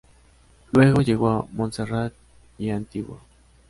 Luego llegó a Montserrat y a Antigua.